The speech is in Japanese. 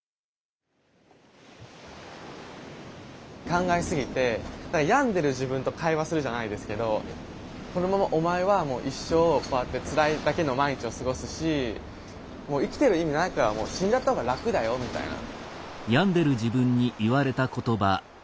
考えすぎて病んでる自分と会話するじゃないですけどこのままお前はもう一生こうやってつらいだけの毎日を過ごすし生きてる意味ないからもう死んじゃった方が楽だよみたいな。